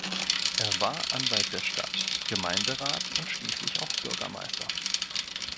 Er war Anwalt der Stadt, Gemeinderat und schließlich auch Bürgermeister.